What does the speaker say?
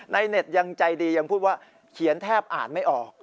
เน็ตยังใจดียังพูดว่าเขียนแทบอ่านไม่ออก